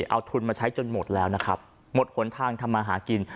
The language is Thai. เอาทุนมาใช้จนหมดแล้วนะครับหมดหนทางทำมาหากิน